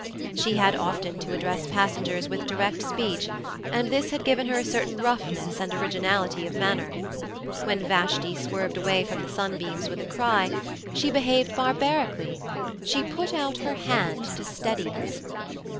She had often to address passengers with direct speech, and this had given her a certain roughness and originality of manner. When Vashti swerved away from the sunbeams with a cry, she behaved barbarically she put out her hand to steady her.